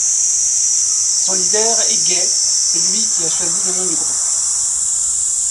Son leader est Gai, c'est lui qui a choisi le nom du groupe.